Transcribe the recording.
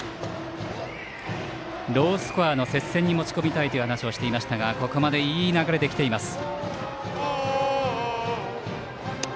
ロースコアの接戦に持ち込みたいという話をしていましたがここまでいい流れできています。